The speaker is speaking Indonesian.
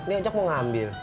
ini ojak mau ngambil